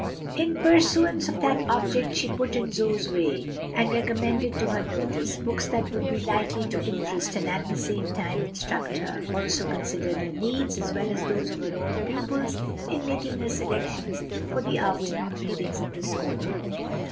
In pursuance of that object she put in Zoe's way, and recommended to her notice, books that would be likely to interest and at the same time instruct her. Also considered her needs, as well as those of her own pupils, in making her selections for the afternoon readings in the school room.